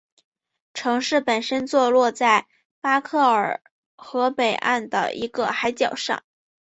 城市本身坐落在巴克尔河北岸的一个海角上。